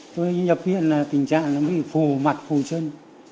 tôi nhập viện là tình trạng bị phù mặt phù chân